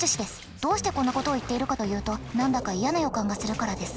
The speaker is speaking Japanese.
どうしてこんなことを言っているかというと何だか嫌な予感がするからです。